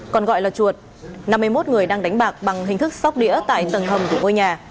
còn gọi là chuột năm mươi một người đang đánh bạc bằng hình thức sóc đĩa tại tầng hầm của ngôi nhà